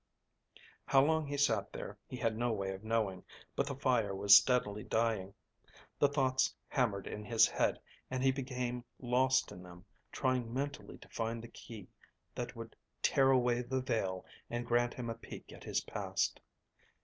How long he sat there he had no way of knowing, but the fire was steadily dying. The thoughts hammered in his head and he became lost in them, trying mentally to find the key that would tear away the veil and grant him a peek at his past.